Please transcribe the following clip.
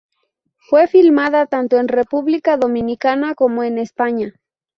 Fue filmada tanto en República Dominicana, como en España.